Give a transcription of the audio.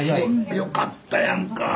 よかったやんか。